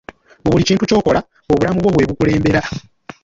Mu buli kintu ky'okola, obulamu bwo bwe bukulembera.